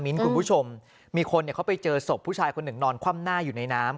คุณผู้ชมมีคนเขาไปเจอศพผู้ชายคนหนึ่งนอนคว่ำหน้าอยู่ในน้ำ